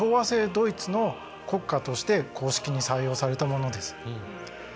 ドイツの国歌として公式に採用されたものです。